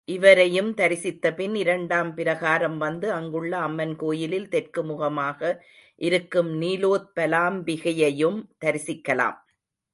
இவரையும் தரிசித்தபின் இரண்டாம் பிரகாரம் வந்து அங்குள்ள அம்மன் கோயிலில் தெற்கு முகமாக இருக்கும் நீலோத்பலாம்பிகையையும் தரிசிக்கலாம்.